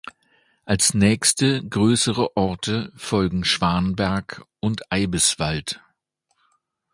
Als nächste größere Orte folgen Schwanberg und Eibiswald.